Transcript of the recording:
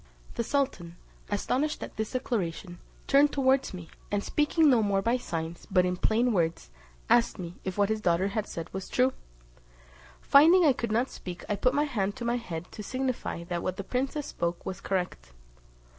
The sultan, astonished at this declaration, turned towards me, and speaking no more by signs, but in plain words, asked me, if what his daughter said was true? Finding I could not speak, I put my hand to my head' to signify that what the princess spoke was correct.